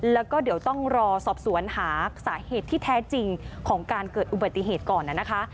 แล้วก็เดี๋ยวต้องรอสอบสวนหาสาเหตุที่แท้จริงของการเกิดอุบัติเหตุก่อนนะคะ